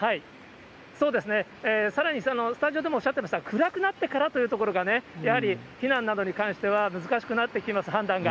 そうですね、さらにスタジオでもおっしゃってました、暗くなってからというところがね、やはり避難などに関しては、難しくなってきます、判断が。